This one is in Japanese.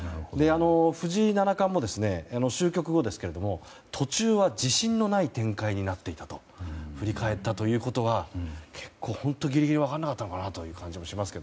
藤井七冠も終局後ですけれども途中は自信のない展開になっていたと振り返ったということは結構ギリギリまで分からなかったのかなという感じがしますが。